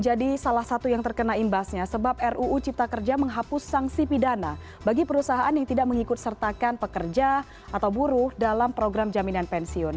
jadi salah satu yang terkena imbasnya sebab ruu cipta kerja menghapus sanksi pidana bagi perusahaan yang tidak mengikut sertakan pekerja atau buruh dalam program jaminan pensiun